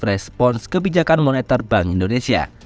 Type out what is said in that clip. respons kebijakan moneter bank indonesia